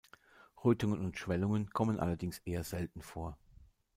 Rötungen und Schwellungen kommen allerdings eher selten vor.